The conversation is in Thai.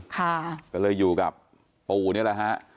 ก็เลยอยู่กับปู่นี่แหละฮะ